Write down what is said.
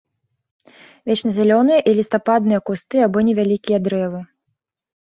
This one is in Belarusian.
Вечназялёныя і лістападныя кусты або невялікія дрэвы.